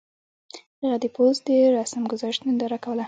هغه د پوځ د رسم ګذشت ننداره کوله.